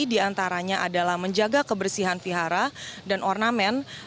diantaranya adalah menjaga kebersihan vihara dan ornamen